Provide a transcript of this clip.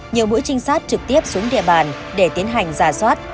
nhiều mũi trinh sát trực tiếp xuống địa bàn để tiến hành giả soát